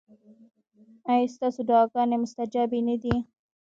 ایا ستاسو دعاګانې مستجابې نه دي؟